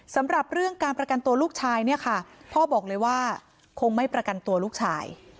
สำหรับเรื่องการประกันตัวลูกชายเนี่ยค่ะพ่อบอกเลยว่าคงไม่ประกันตัวลูกชาย